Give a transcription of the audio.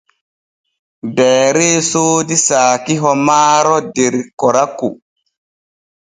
Deere soodi saakiho maaro der Koraku.